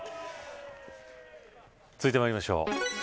続いてまいりましょう。